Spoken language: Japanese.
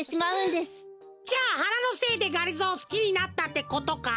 じゃあはなのせいでがりぞーをすきになったってことか？